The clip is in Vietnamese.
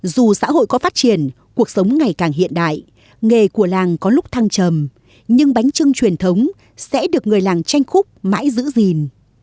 dù xã hội có phát triển cuộc sống ngày càng hiện đại nghề của làng có lúc thăng trầm nhưng bánh trưng truyền thống sẽ được người làng tranh khúc mãi giữ gìn